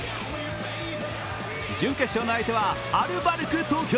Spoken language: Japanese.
準決勝の相手はアルバルク東京。